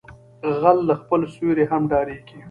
غل له خپل سيوري هم ډاریږي